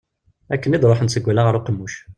Akken i d-ruḥent seg wallaɣ ɣer uqemmuc.